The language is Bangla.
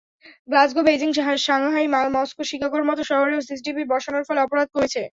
গ্লাসগো, বেইজিং, সাংহাই, মস্কো, শিকাগোর মতো শহরেও সিসিটিভি বসানোর ফলে অপরাধ কমেছে।